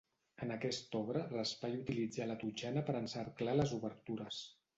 En aquesta obra, Raspall utilitza la totxana per encerclar les obertures.